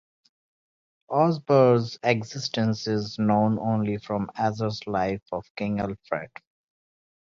Osburh's existence is known only from Asser's "Life of King Alfred".